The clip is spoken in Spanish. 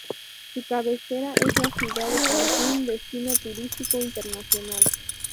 Su cabecera es la ciudad de Cancún, destino turístico internacional.